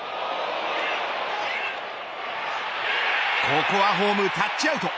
ここはホーム、タッチアウト。